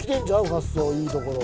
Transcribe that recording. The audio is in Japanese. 発想いいところ。